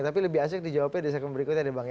tapi lebih asyik dijawabnya di segmen berikutnya ya bang